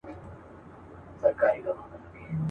سړې اوږدې شپې به یې سپیني کړلې.